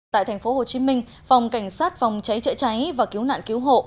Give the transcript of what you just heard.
tại thành phố hồ chí minh phòng cảnh sát phòng cháy chữa cháy và cứu nạn cứu hộ